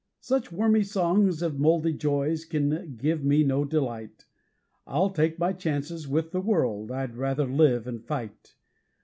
Such wormy songs of mouldy joys can give me no delight; I'll take my chances with the world, I'd rather live and fight.